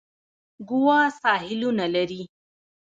ګوا ساحلونه لري.